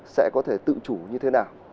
sẽ có thể tự chủ như thế nào